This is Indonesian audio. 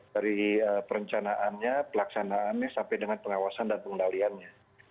dari perencanaannya pelaksanaannya sampai dengan pengawasan dan pengendaliannya